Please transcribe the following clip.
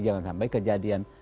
jangan sampai kejadian